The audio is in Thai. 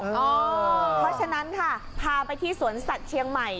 เพราะฉะนั้นค่ะพาไปที่สวนสัตว์เชียงใหม่